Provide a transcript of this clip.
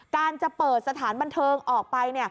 การจะเปิดสถานบันเทิงออกไป